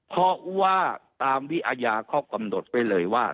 เพราะว่าตามวิอาญาเขากำหนดไว้เลยว่า